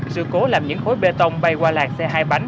sự cố làm những khối bê tông bay qua làng xe hai bánh